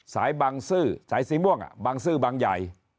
สายบางซื่อสายสีม่วงบางซื่อบางใหญ่